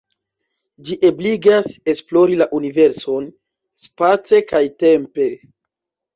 Ĝi ebligas esplori la universon, space kaj tempe.